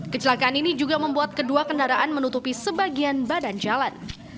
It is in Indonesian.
kecelakaan ini juga membuat kedua kendaraan menutupi sebagian badan jalan